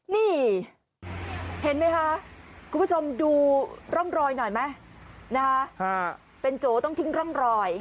นี่เห็นไหมคะคุณผู้ชมดูร่องรอยหน่อยไหมเป็นโจต้องทิ้งร่องรอย